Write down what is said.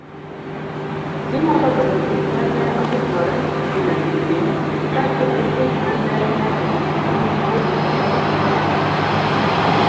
Ginyalo bedo gik mane otimore eodiochieng' , kaachiel gi gik maneineno iniwuon kata weche mamoko